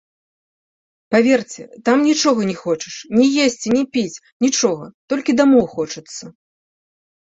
Паверце, там нічога не хочаш ні есці, ні піць, нічога, толькі дамоў хочацца.